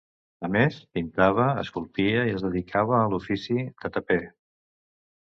A més, pintava, esculpia i es dedicava a l'ofici de taper.